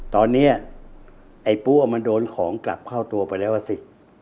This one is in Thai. ตอนนี้ไอ้ปั้วมันโดนของกลับเข้าตัวไปแล้วอ่ะสิ